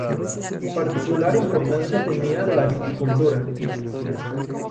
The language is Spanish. Particular importancia tenía la viticultura.